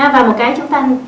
và một cái chúng ta